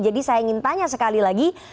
jadi saya ingin tanya sekali lagi